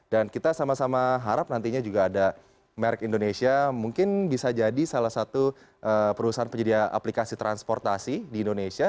dan kita sama sama harap nantinya juga ada merk indonesia mungkin bisa jadi salah satu perusahaan penyedia aplikasi transportasi di indonesia